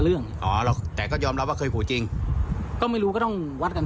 เรื่องอ๋อหรอกแต่ก็ยอมรับว่าเคยขู่จริงก็ไม่รู้ก็ต้องวัดกัน